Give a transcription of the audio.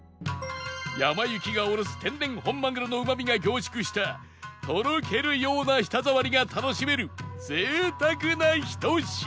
やま幸が卸す天然本まぐろのうまみが凝縮したとろけるような舌触りが楽しめる贅沢なひと品